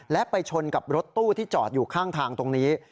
และไปชนกับรถตู้ที่จอดอยู่ข้างทางตรงนี้